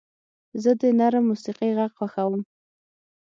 زه د نرم موسیقۍ غږ خوښوم.